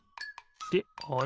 であれ？